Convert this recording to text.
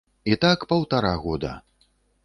І так паўтара года.